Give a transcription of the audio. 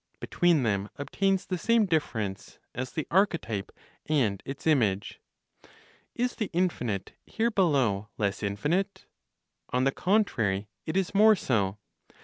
Between them obtains the same difference as the archetype and its image. Is the infinite here below less infinite? On the contrary, it is more so.